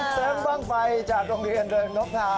แซ่งบางไฟจากโรงเรียนเดิมนกทา